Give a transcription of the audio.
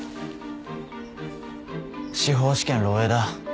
司法試験漏えいだ